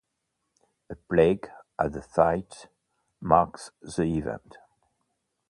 A plaque at the site marks the event.